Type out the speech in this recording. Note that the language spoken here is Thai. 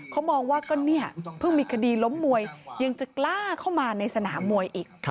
เขามองว่าก็เนี่ยเพิ่งมีคดีล้มมวยยังจะกล้าเข้ามาในสนามมวยอีก